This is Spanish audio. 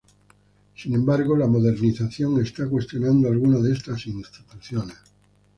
Sin embargo, la modernización está cuestionando algunas de estas instituciones.